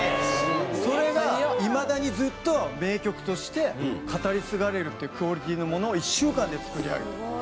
それがいまだにずっと名曲として語り継がれるクオリティーのものを１週間で作り上げた。